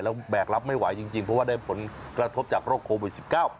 แล้วแบกรับไม่ไหวจริงเพราะว่าได้ผลกระทบจากโรคโควิด๑๙